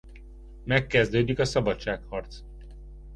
Megkezdődik a szabadságharc.